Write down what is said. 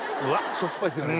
しょっぱいっすよね。